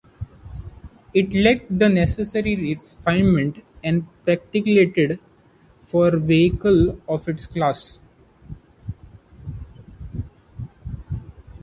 It lacked the necessary refinement and practicality for vehicles of its class.